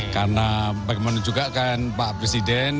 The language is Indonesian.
karena bagaimana juga kan pak presiden